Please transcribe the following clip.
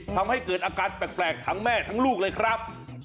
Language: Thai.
ทำให้เกิดอาการแปลกทั้งแม่ทั้งลูกเลยครับ